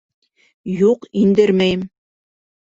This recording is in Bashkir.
Юҡ, индермәйем!